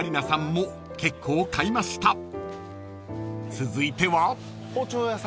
［続いては？］